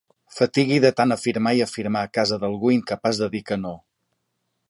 Fatigui de tant afirmar i afirmar a casa d'algú incapaç de dir que no.